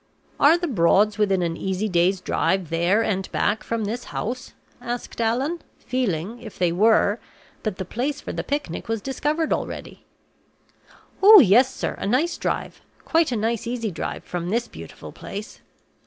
"Are the Broads within an easy day's drive there and back from this house?" asked Allan, feeling, if they were, that the place for the picnic was discovered already. "Oh, yes, sir; a nice drive quite a nice easy drive from this beautiful place!"